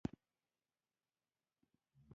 د مولنا عبیدالله سندي ډېر زیات اسرار پکې راغلي وو.